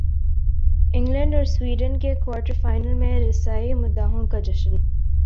England اور Sweden کی quarter final میں رسائی مداحوں کا جشن